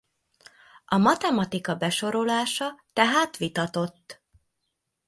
A matematika besorolása tehát vitatott.